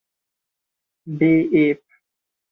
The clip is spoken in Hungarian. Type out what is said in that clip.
B ép.